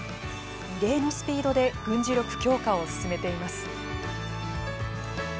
異例のスピードで軍事力強化を進めています。